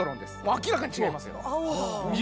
明らかに違いますよね。